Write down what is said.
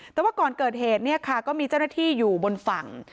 แต่ว่าก่อนเกิดเหตุเนี่ยค่ะก็มีเจ้าหน้าที่อยู่บนฝั่ง